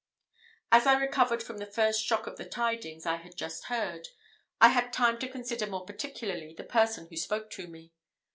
As I recovered from the first shock of the tidings I had just heard, I had time to consider more particularly the person who spoke to me.